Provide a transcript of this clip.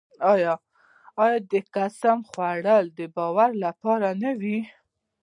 آیا د قسم خوړل د باور لپاره نه وي؟